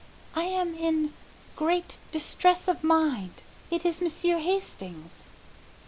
"I am in great distress of mind. It is Monsieur Hastings."